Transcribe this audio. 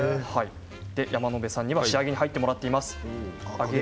山野辺さんには仕上げに入ってもらっています。